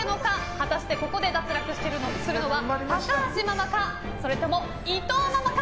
果たして、ここで脱落するのは高橋ママか、伊藤ママか。